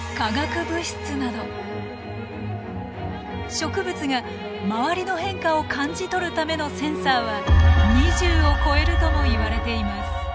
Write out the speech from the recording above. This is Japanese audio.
植物が周りの変化を感じ取るためのセンサーは２０を超えるともいわれています。